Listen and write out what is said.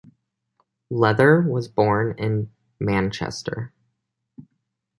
Leather was born in Manchester.